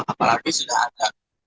apalagi sudah ada